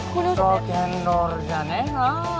ロケンロールじゃねえな。